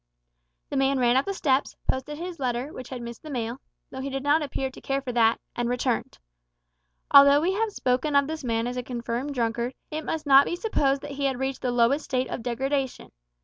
The man ran up the steps, posted his letter, which had missed the mail though he did not appear to care for that and returned. Although we have spoken of this man as a confirmed drunkard, it must not be supposed that he had reached the lowest state of degradation.